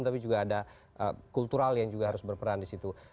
tapi juga ada kultural yang juga harus berperan di situ